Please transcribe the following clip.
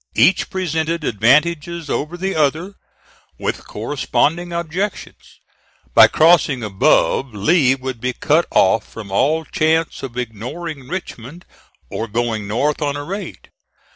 Each presented advantages over the other, with corresponding objections. By crossing above, Lee would be cut off from all chance of ignoring Richmond or going north on a raid.